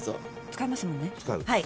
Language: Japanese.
使いますもんね。